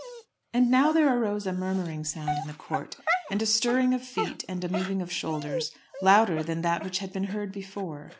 And now there arose a murmuring sound in the court, and a stirring of feet and a moving of shoulders, louder than that which had been heard before.